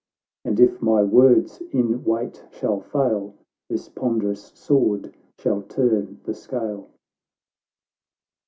—" And if my words in weight shall fail, This ponderous sword shall turn the scale."